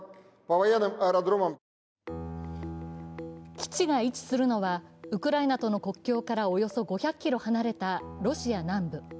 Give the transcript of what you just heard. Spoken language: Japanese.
基地が位置するのはウクライナとの国境からおよそ５００ｋｍ離れたロシア南部。